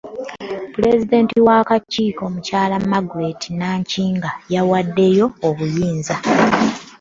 Pulezidenti w'akakiiko Muky Margaret Nankinga, yawaddeyo obuyinza